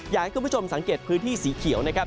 อยากให้คุณผู้ชมสังเกตพื้นที่สีเขียวนะครับ